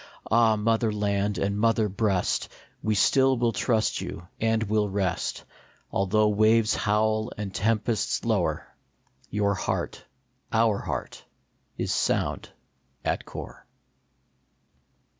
Ah, mother land and mother breast, We still will trust you and will rest ; Although waves howl and tempests lower, Your heart, our heart, is sound at core.